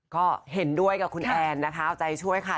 ก็เห็นด้วยกับคุณแอนนะคะเอาใจช่วยค่ะ